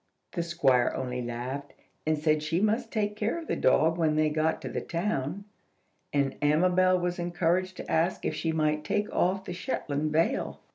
The Squire only laughed, and said she must take care of the dog when they got to the town; and Amabel was encouraged to ask if she might take off the Shetland veil.